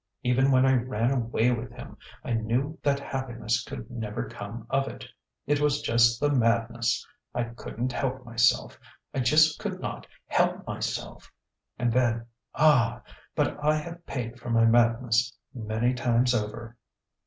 Even when I ran away with him, I knew that happiness could never come of it.... It was just the madness ... I couldn't help myself ... I just could not help myself.... And then ah, but I have paid for my madness many times over!..."